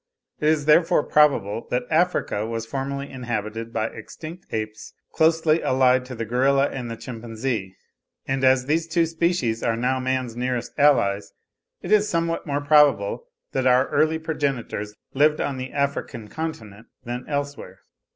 It is therefore probable that Africa was formerly inhabited by extinct apes closely allied to the gorilla and chimpanzee; and as these two species are now man's nearest allies, it is somewhat more probable that our early progenitors lived on the African continent than elsewhere.